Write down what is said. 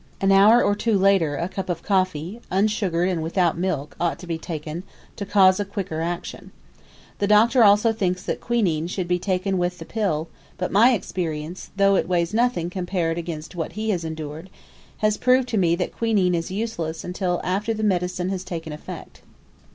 An hour or two later a cup of coffee, unsugared and without milk, ought to be taken, to cause a quicker action. The Doctor also thinks that quinine should be taken with the pill; but my experience though it weighs nothing against what he has endured has proved to me that quinine is useless until after the medicine has taken effect.